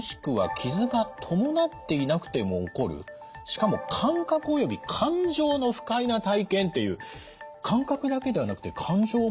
しかも「感覚および感情の不快な体験」っていう感覚だけではなくて感情も不快。